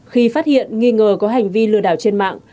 khi phát hiện nghi ngờ có hành vi lừa đảo trên mạng